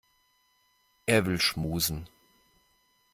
Er will schmusen.